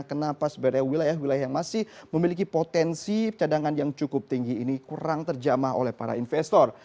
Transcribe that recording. kenapa sebenarnya wilayah wilayah yang masih memiliki potensi cadangan yang cukup tinggi ini kurang terjamah oleh para investor